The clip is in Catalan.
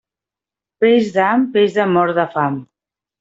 Peix d'ham, peix de mort de fam.